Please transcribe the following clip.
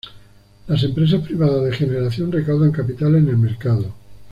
Las empresas privadas de generación recaudan capital en el mercado.